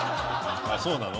あっそうなの？